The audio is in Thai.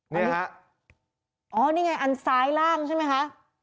นี่ฮะอ๋อนี่ไงอันซ้ายล่างใช่ไหมคะ